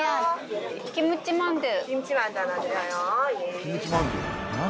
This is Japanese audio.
キムチマンドゥ。